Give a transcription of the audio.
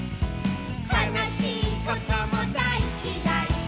「かなしいこともだいきらい」